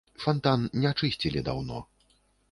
Фантан не чысцілі даўно.